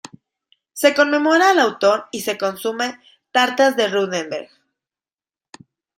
Se conmemora al autor y se consumen "Tartas de Runeberg".